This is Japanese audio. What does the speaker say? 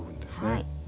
はい。